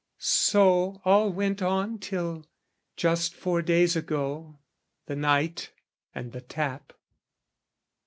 So all went on till, just four days ago The night and the tap.